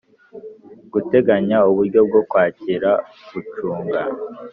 Guteganya uburyo bwo kwakira gucunga